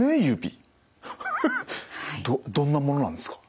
どんなものなんですか？